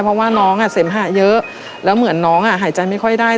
เพราะว่าน้องอ่ะเสมหะเยอะแล้วเหมือนน้องอ่ะหายใจไม่ค่อยได้